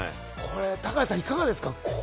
高橋さん、いかがですか？